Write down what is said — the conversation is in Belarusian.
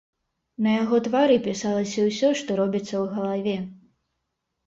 На яго твары пісалася ўсё, што робіцца ў галаве.